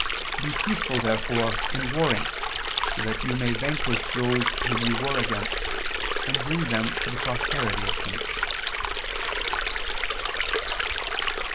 Be peaceful, therefore, in warring, so that you may vanquish those whom you war against, and bring them to the prosperity of peace."